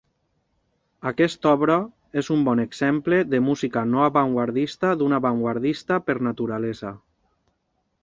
Aquesta obra és un bon exemple de música no avantguardista d'un avantguardista per naturalesa.